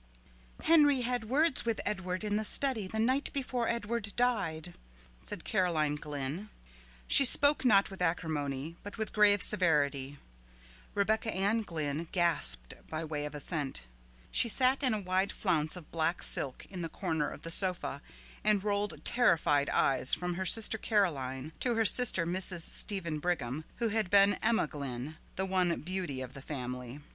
"Henry had words with Edward in the study the night before Edward died," said Caroline Glynn. She spoke not with acrimony, but with grave severity. Rebecca Ann Glynn gasped by way of assent. She sat in a wide flounce of black silk in the corner of the sofa, and rolled terrified eyes from her sister Caroline to her sister Mrs. Stephen Brigham, who had been Emma Glynn, the one beauty of the family.